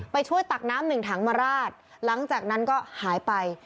ไปช่วยตักน้ำหนึ่งถังมาราดหลังจากนั้นก็หายไป